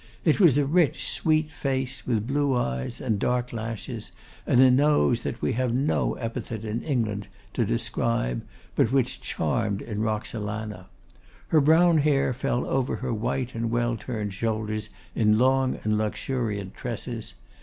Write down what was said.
It was a rich, sweet face, with blue eyes and dark lashes, and a nose that we have no epithet in English to describe, but which charmed in Roxalana. Her brown hair fell over her white and well turned shoulders in long and luxuriant tresses.